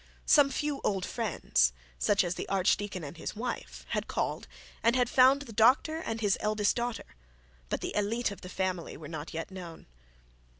Some few old friends, such as the archdeacon and his wife, had called, and had found the doctor and his eldest daughter; but the elite of the family were not yet known.